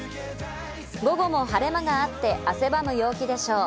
午後も晴れ間があって汗ばむ陽気でしょう。